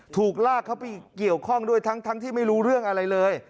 ถูกลากเขาไปเกี่ยวข้องด้วยทั้งที่ไม่รู้เรื่องอะไรเลย